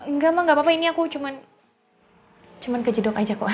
nggak ma nggak apa apa ini aku cuma kejedok aja kok